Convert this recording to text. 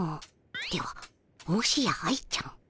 ではもしや愛ちゃん